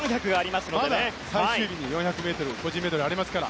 まだ最終日に４００ｍ個人メドレーがありますから。